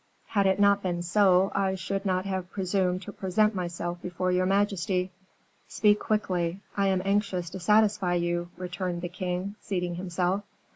"Had it not been so, I should not have presumed to present myself before your majesty." "Speak quickly, I am anxious to satisfy you," returned the king, seating himself.